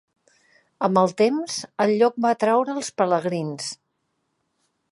Amb el temps el lloc va atraure els pelegrins.